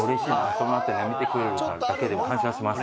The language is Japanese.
その辺りを見てくれるだけで感謝します。